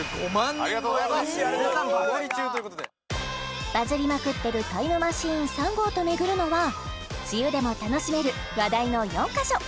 人超えの絶賛バズり中ということでバズりまくってるタイムマシーン３号とめぐるのは梅雨でも楽しめる話題の４か所